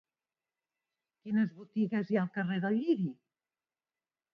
Quines botigues hi ha al carrer del Lliri?